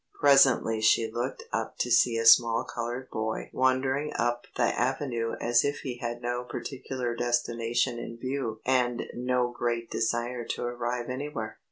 Presently she looked up to see a small coloured boy wandering up the avenue as if he had no particular destination in view and no great desire to arrive anywhere.